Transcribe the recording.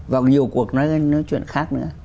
và nhiều cuộc nói chuyện khác nữa